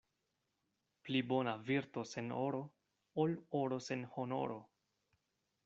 Pli bona virto sen oro, ol oro sen honoro.